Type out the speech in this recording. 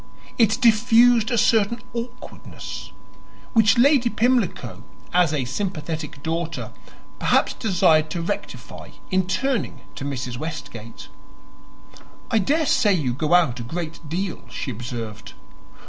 It diffused a certain awkwardness, which Lady Pimlico, as a sympathetic daughter, perhaps desired to rectify in turning to Mrs. Westgate. "I daresay you go out a great deal," she observed.